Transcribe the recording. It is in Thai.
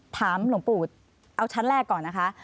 หลวงปู่เอาชั้นแรกก่อนนะคะ